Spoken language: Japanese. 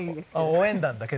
応援団。